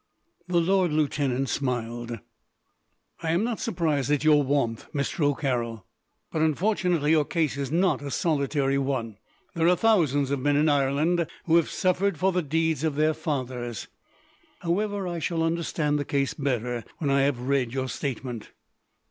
The lord lieutenant smiled. "I am not surprised at your warmth, Mr. O'Carroll; but, unfortunately, your case is not a solitary one. There are thousands of men in Ireland who have suffered for the deeds of their fathers. However, I shall understand the case better when I have read your statement."